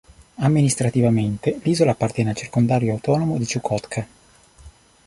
Amministrativamente l'isola appartiene al Circondario autonomo di Čukotka.